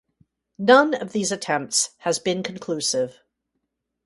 None of these attempts has been conclusive.